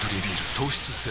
糖質ゼロ